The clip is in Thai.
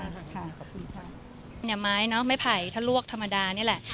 เนี่ยไม้เนอะไม่ไผ่ถ้าลวกธรรมดานี่แหละ